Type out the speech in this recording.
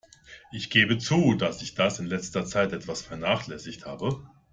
Ich gebe zu, dass ich das in letzter Zeit etwas vernachlässigt habe.